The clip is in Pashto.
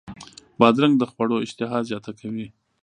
بادرنګ د خوړو اشتها زیاته کوي.